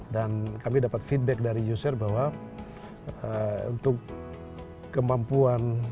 dan kami dapat feedback dari user bahwa untuk kemampuan belajar karyawan lokal